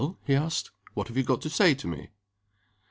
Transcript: he asked. "What have you got to say to me?"